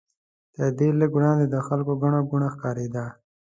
تر دې لږ وړاندې د خلکو ګڼه ګوڼه ښکارېده.